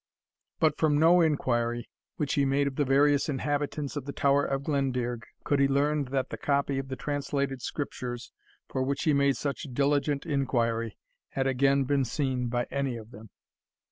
But from no inquiry which he made of the various inhabitants of the Tower of Glendearg could he learn that the copy of the translated Scriptures, for which he made such diligent inquiry, had again been seen by any of them.